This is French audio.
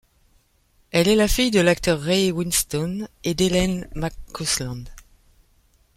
Elle est la fille de l'acteur Ray Winstone et d'Elaine McCausland.